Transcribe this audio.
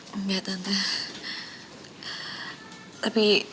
malah tante pikir kamu yang putusin mondi